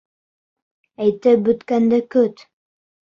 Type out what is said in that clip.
Әйтеп бөткәнде көт!